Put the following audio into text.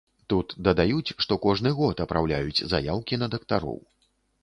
Тут дадаюць, што кожны год апраўляюць заяўкі на дактароў.